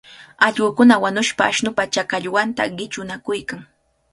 Allqukuna wañushqa ashnupa chakallwanta qichunakuykan.